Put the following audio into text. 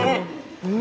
うん。